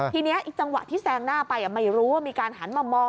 ทีนี้จังหวะที่แซงหน้าไปไม่รู้ว่ามีการหันมามอง